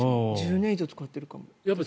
１０年以上使っているかも。